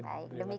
amin terima kasih